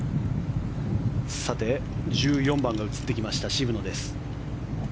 さて、１４番が映ってきました渋野です。